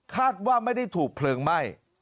คาดว่าไม่ได้ถูกเพลิงไหม้